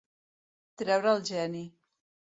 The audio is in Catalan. Treure el geni.